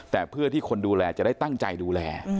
แต่เพื่อที่คนดูแลจะได้ตั้งใจดูแล